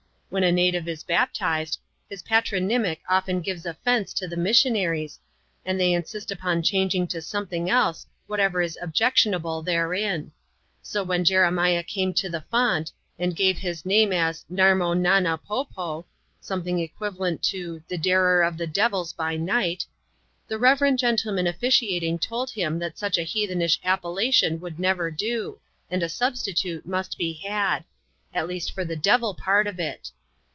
When a native is baptised, his patronymic often gives offence to the missionaries, and they insist upon changing to something else whatever is objectionable therein. So, when Jeremiah came to the font, and gave his name as Narmo Nana Po Po (some* thing equivalent toThe Darer of Devils by Night), the reverend gentleman officiating told him that such a heathenish appella tion would never do, and a substitute must be had ; at least for the devil part of it.